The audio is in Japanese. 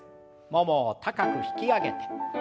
ももを高く引き上げて。